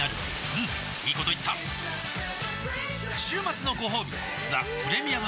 うんいいこと言った週末のごほうび「ザ・プレミアム・モルツ」